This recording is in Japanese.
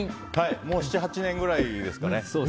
もう７８年くらいですかね。